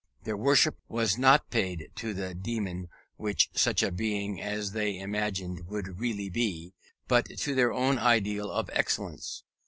Their worship was not paid to the demon which such a being as they imagined would really be, but to their own ideal of excellence.